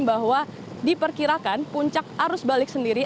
bahwa diperkirakan puncak arus balik sendiri